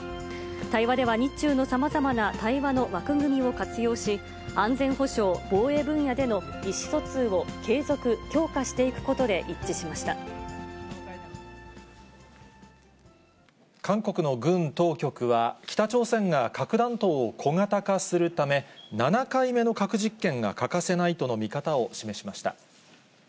対話では日中のさまざまな対話の枠組みを活用し、安全保障・防衛分野での意思疎通を継続・強化し韓国の軍当局は、北朝鮮が核弾頭を小型化するため、７回目の核実験が欠かせないとの見方を示しました。